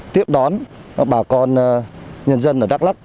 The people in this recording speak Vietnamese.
tiếp đón bà con nhân dân ở đắk lắk